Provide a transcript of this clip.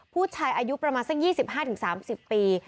ผู้ชายอายุประมาณสักยี่สิบห้าถึงสามสิบปี